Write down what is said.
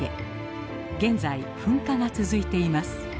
現在噴火が続いています。